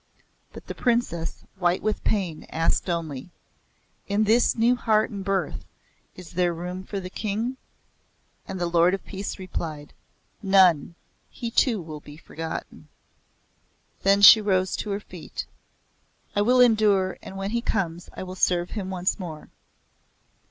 But the Princess, white with pain, asked only; "In this new heart and birth, is there room for the King?" And the Lord of Peace replied; "None. He too will be forgotten." Then she rose to her feet. "I will endure and when he comes I will serve him once more.